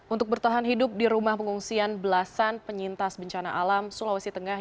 untuk bertahan hidup di rumah pengungsian belasan penyintas bencana alam sulawesi tengah